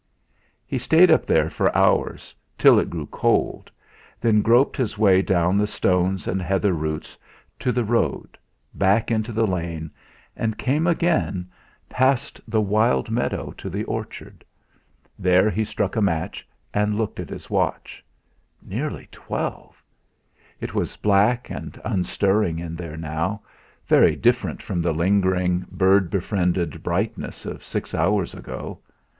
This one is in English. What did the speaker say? He stayed up there for hours, till it grew cold, then groped his way down the stones and heather roots to the road, back into the lane, and came again past the wild meadow to the orchard. There he struck a match and looked at his watch. Nearly twelve! It was black and unstirring in there now, very different from the lingering, bird befriended brightness of six hours ago!